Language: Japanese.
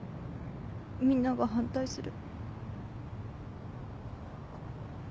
みんなが反対する。